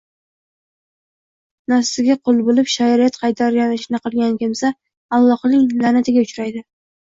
Nafsiga qul bo‘lib, shariat qaytargan ishni qilgan kimsa Allohning la’natiga uchraydi.